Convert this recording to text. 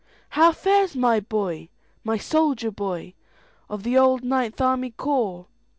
"How fares my boy,—my soldier boy, Of the old Ninth Army Corps?